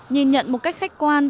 nhìn nhận một cách khách quan